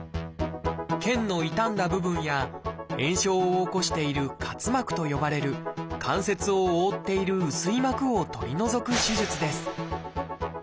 腱の傷んだ部分や炎症を起こしている「滑膜」と呼ばれる関節を覆っている薄い膜を取り除く手術です。